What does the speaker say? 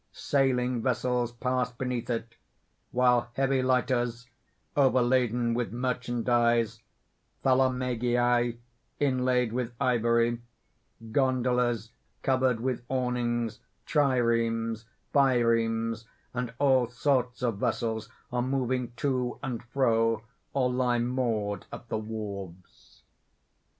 Sailing vessels pass beneath it, while heavy lighters overladen with merchandise, thalamegii inlaid with ivory, gondolas covered with awnings, triremes, biremes, and all sorts of vessels are moving to and fro, or lie moored at the wharves.